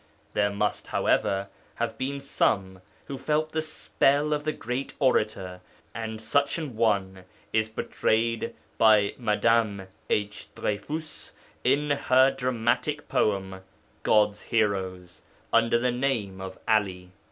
There must, however, have been some who felt the spell of the great orator, and such an one is portrayed by Mme. H. Dreyfus, in her dramatic poem God's Heroes, under the name of 'Ali.